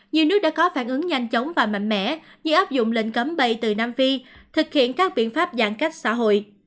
nhiều nước đã có phản ứng nhanh chóng và mạnh mẽ như áp dụng lệnh cấm bay từ nam phi thực hiện các biện pháp giãn cách xã hội